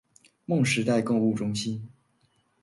夢時代購物中心